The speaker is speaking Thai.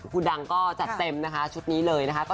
คุณดังก็จัดเต็มนะคะชุดนี้เลยนะคะ